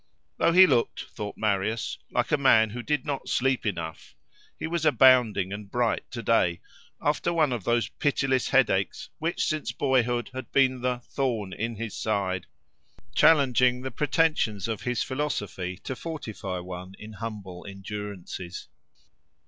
Though he looked, thought Marius, like a man who did not sleep enough, he was abounding and bright to day, after one of those pitiless headaches, which since boyhood had been the "thorn in his side," challenging the pretensions of his philosophy to fortify one in humble endurances.